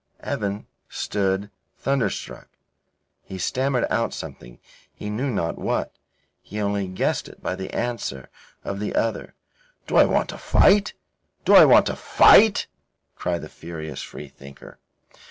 Evan stood thunderstruck. He stammered out something, he knew not what; he only guessed it by the answer of the other. "Do I want to fight? Do I want to fight?" cried the furious Free thinker.